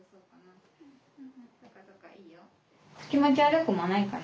気持ち悪くもないかな？